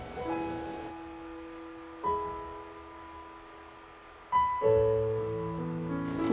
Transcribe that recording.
ที่หาหยุดอดค่ะ